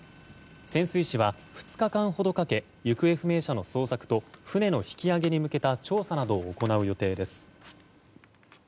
潜水士は２日間ほどかけ行方不明者の捜索と船の引き上げに向けた調査などを行う予定です。